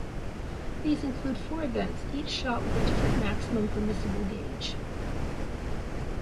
These include four events each shot with a different maximum permissible gauge.